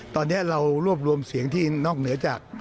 ตอนนี้เรารวบรวมเสียงที่นอกเหนือจาก